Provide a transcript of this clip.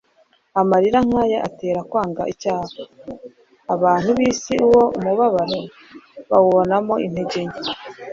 Amarira nk'ayo atera kwanga icyaha. Abantu b'isi uwo mubabaro bawubonamo intege nke,